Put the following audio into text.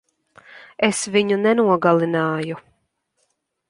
Es viņu nenogalināju.